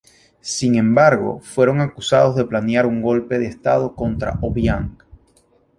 Sin embargo, fueron acusados de planear un Golpe de Estado contra Obiang.